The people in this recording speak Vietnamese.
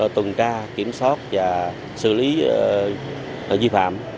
tuần tra kiểm soát và xử lý di phạm